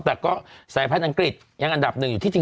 แต่ก็สายพันธุ์อังกฤษยังอันดับหนึ่งอยู่ที่จริง